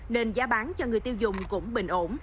nên giá bán cho người tiêu dùng cũng bình ổn